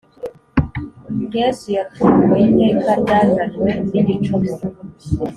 Yesu yaturokoye iteka ryazanywe n igicumuro